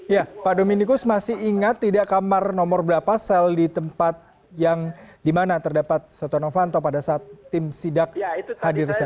ya pak dominikus masih ingat tidak kamar nomor berapa sel di tempat yang dimana terdapat soto novanto pada saat tim sidak hadir